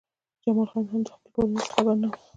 جمال خان هم له خپلې کورنۍ څخه خبر نه و